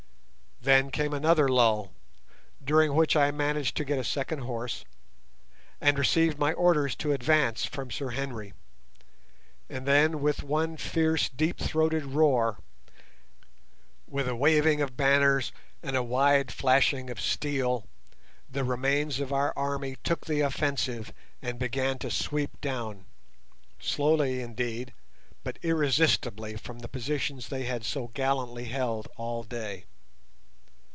Then came another lull, during which I managed to get a second horse, and received my orders to advance from Sir Henry, and then with one fierce deep throated roar, with a waving of banners and a wide flashing of steel, the remains of our army took the offensive and began to sweep down, slowly indeed, but irresistibly from the positions they had so gallantly held all day.